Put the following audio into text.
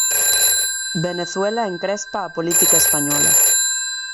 Venezuela encrespa a política española.